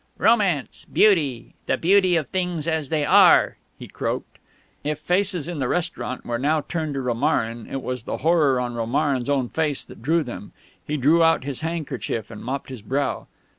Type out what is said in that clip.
"Romance Beauty the Beauty of things as they are!" he croaked. If faces in the restaurant were now turned to Romarin, it was the horror on Romarin's own face that drew them. He drew out his handkerchief and mopped his brow.